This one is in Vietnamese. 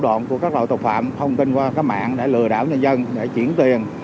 đoạn của các loại tội phạm thông tin qua các mạng để lừa đảo nhân dân để chuyển tiền